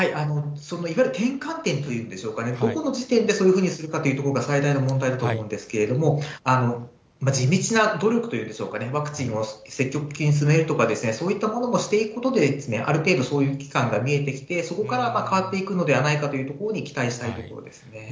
いわゆる転換点というんでしょうか、どこの時点でそういうふうにするかというところが最大の問題だと思うんですけれども、地道な努力というんでしょうかね、ワクチンを積極的に進めるとか、そういったものもしていくことで、ある程度、そういう危機感が見えてきて、そこから変わっていくのではないかというところに期待したいところですね。